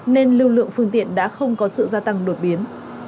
nên lưu lượng phương tiện đã không có sự gia tăng đột biến